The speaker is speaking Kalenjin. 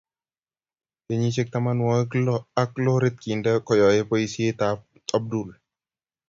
Kenyisiek tamanwogik lo ak lorit kindet koyoe boisietab Abdul